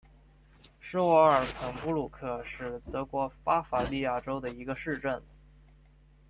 施瓦尔岑布鲁克是德国巴伐利亚州的一个市镇。